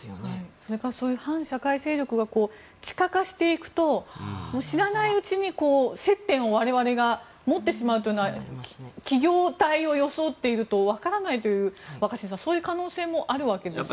それかそういう反社会勢力が地下化していくと知らないうちに接点を我々が持ってしまうというのが企業体を装っているとわからないという若新さん、そういう可能性もあるわけですよね。